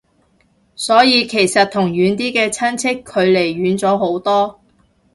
所以其實同遠啲嘅親戚距離遠咗好多